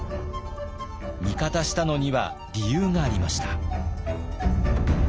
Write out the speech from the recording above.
味方したのには理由がありました。